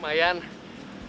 kapoknya udah siap